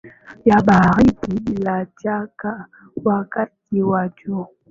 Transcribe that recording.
ya baridi bila shaka wakati wa jua